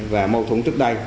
và mâu thủng trước đây